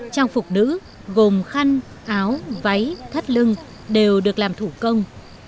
trang phục nữ gồm khăn áo váy thắt lưng đều được làm thủ công